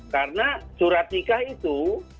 karena surat nikah itu